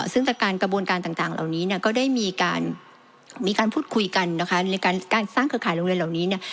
ซึ่งจากการกระบวนการต่างเหล่านี้เนี่ยก็ได้มีการพูดคุยกันนะคะในการสร้างเครือข่ายโรงเรียนเหล่านี้เนี่ย